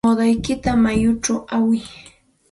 Muudanaykita mayuchaw aywiy.